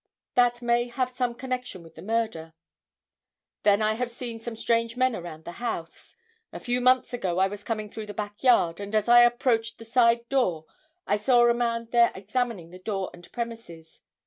That may have some connection with the murder. Then I have seen strange men around the house. A few months ago I was coming through the back yard, and as I approached the side door I saw a man there examining the door and premises.